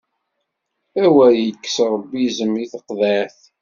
Awer ikkes Ṛebbi izem i teqḍiɛt!